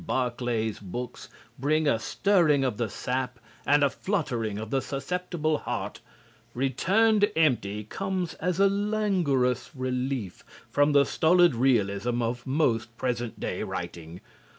Barclay's books bring a stirring of the sap and a fluttering of the susceptible heart, "Returned Empty" comes as a languorous relief from the stolid realism of most present day writing.